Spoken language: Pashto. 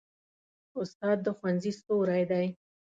استاد د ښوونځي ستوری دی.